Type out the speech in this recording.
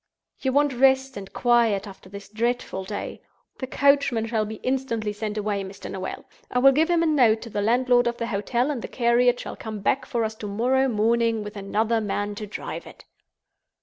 You want rest and quiet after this dreadful day. The coachman shall be instantly sent away, Mr. Noel. I will give him a note to the landlord of the hotel, and the carriage shall come back for us to morrow morning, with another man to drive it."